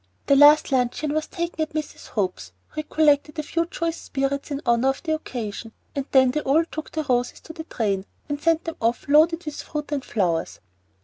The last luncheon was taken at Mrs. Hope's, who had collected a few choice spirits in honor of the occasion, and then they all took the Roses to the train, and sent them off loaded with fruit and flowers.